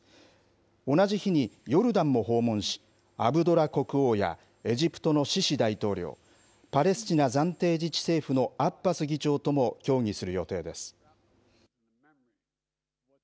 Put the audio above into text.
同じ日にヨルダンも訪問し、アブドラ国王やエジプトのシシ大統領、パレスチナ暫定自治政府のアッバス議長とも協議する予定です。